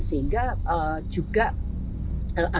sehingga juga akan mendapatkan